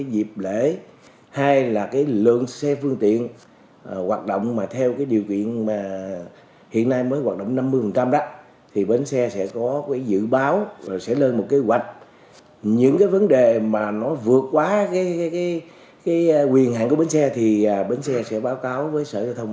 dịp lễ ba mươi tháng bốn và mùng một tháng năm sắp tới